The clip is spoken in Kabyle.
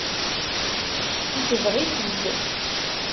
Yesbeɣ-itt-id.